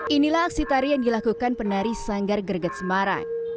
inilah aksi tari yang dilakukan penari sanggar greget semarang